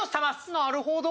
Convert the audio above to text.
なるほど！